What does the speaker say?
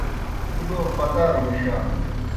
تُو لو پَدَاروْ مُشانوئے۔